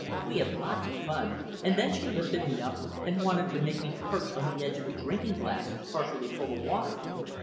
We had lots of fun, and then she lifted me up and wanted to make me perch on the edge of a drinking glass partially full of water.